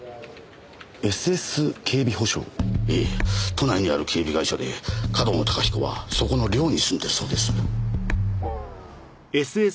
都内にある警備会社で上遠野隆彦はそこの寮に住んでるそうです。